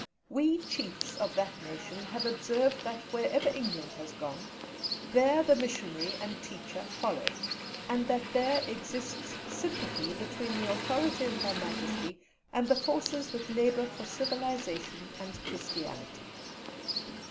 We Chiefs of that nation have observed that wherever England has gone there the Missionary and teacher follow, and that there exists sympathy between the authority of Her Majesty and the forces that labour for civilization and Christianity.